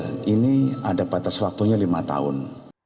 sepertinya di atas blog ini tuh m berkataung